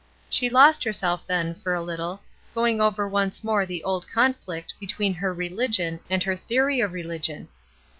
She lost herself then, for a Kttle, going over once more the old conflict between her religion and her theory of reUgion.